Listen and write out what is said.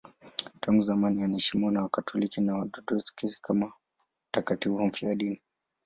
Tangu zamani anaheshimiwa na Wakatoliki na Waorthodoksi kama mtakatifu mfiadini.